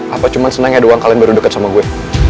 apa cuman senangnya doang kalian baru deket sama gue